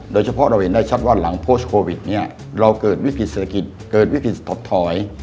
โดยเฉพาะเราเห็นได้ชัดว่าหลังโพสต์โควิดเนี่ยเราเกิดวิกฤติเศรษฐกิจเกิดวิกฤตถดถอย